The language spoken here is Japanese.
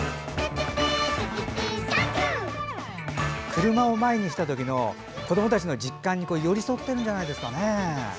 車を前にしたときの子どもたちの実感に寄り添っているんじゃないですかね。